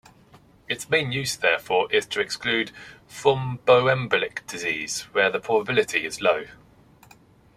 Its main use, therefore, is to exclude thromboembolic disease where the probability is low.